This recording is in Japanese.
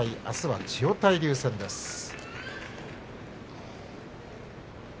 あすは千代大龍戦です。